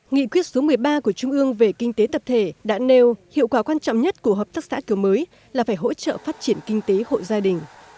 nghị quyết số một mươi ba của trung ương về kinh tế tập thể đã nêu hiệu quả quan trọng nhất của hợp tác xã kiểu mới là phải hỗ trợ phát triển kinh tế hội gia đình